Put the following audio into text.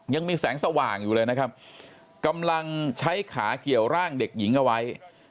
ยังมีแสงสว่างอยู่เลยนะครับกำลังใช้ขาเกี่ยวร่างเด็กหญิงเอาไว้